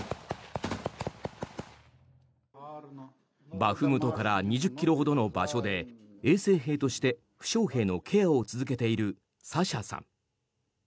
バフムトから２０ｋｍほどの場所で衛生兵として負傷兵のケアを続けているサシャさん。